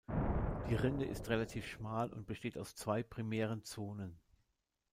Die Rinde ist relativ schmal und besteht aus zwei primären Zonen.